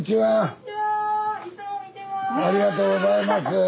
ありがとうございます。